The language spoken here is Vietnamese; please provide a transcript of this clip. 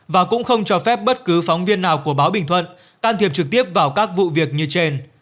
và cũng không cho phép bất cứ phóng viên nào của báo bình thuận can thiệp trực tiếp vào các vụ việc như trên